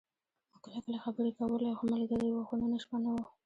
موږ کله کله خبرې کولې او ښه ملګري وو، خو نن شپه نه و.